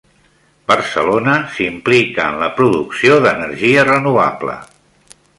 Barcelona s'implica en la producció d'energia renovable